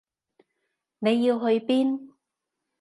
你要去邊？